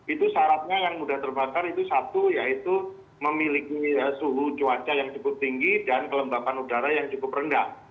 itu syaratnya yang mudah terbakar itu satu yaitu memiliki suhu cuaca yang cukup tinggi dan kelembapan udara yang cukup rendah